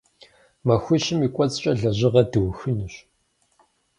Махуищым и кӏуэцӏкӏэ лэжьыгъэр дыухынущ.